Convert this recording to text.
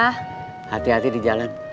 hati hati di jalan